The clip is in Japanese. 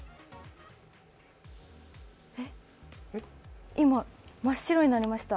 えっ、今、真っ白になりました。